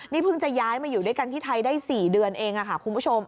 นี่เพิ่งจะย้ายมาอยู่ด้วยกันที่ไทยได้๔เดือนเองค่ะคุณผู้ชม